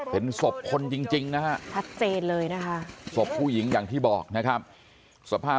เป็นศพคนจริงนะฮะ